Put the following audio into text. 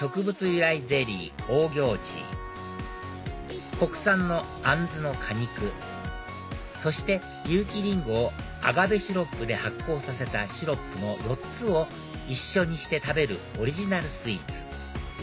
由来ゼリーオーギョーチ国産のアンズの果肉そして有機リンゴをアガベシロップで発酵させたシロップの４つを一緒にして食べるオリジナルスイーツ